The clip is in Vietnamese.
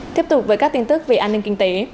tiếp tục với các tin tức về an ninh kinh tế